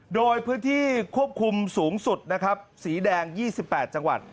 โดยพื้นที่ควบคุมสูงสุดนะครับสีแดง๒๘จังหวัด